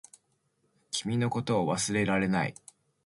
君のことを忘れられない